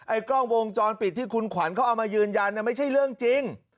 กล้องวงจรปิดที่คุณขวัญเขาเอามายืนยันไม่ใช่เรื่องจริง